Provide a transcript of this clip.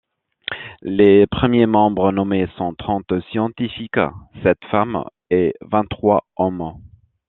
Les premiers membres nommés sont trente scientifiques, sept femmes et vingt-trois hommes.